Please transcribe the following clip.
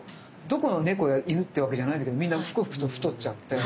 どこの猫や犬ってわけじゃないんだけどみんなふくふくと太っちゃって。